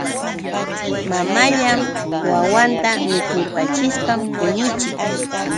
Mamalla wawinta mikurachishpam puñuchin.